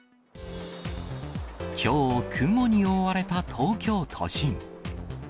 きょう、雲に覆われた東京都心。